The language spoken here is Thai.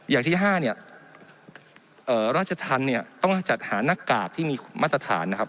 อย่างที่๕เนี่ยราชธรรมเนี่ยต้องจัดหาหน้ากากที่มีมาตรฐานนะครับ